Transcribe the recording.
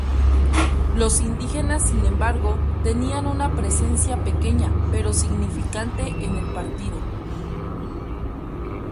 Los indígenas, sin embargo, tenían una presencia pequeña pero significante en el partido.